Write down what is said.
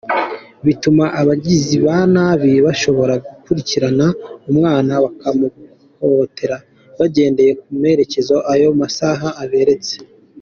Bituma abagizi ba nabi bashobora gukurikirana umwana bakamuhohotera bagendeye ku merekezo ayo masaha aberetse.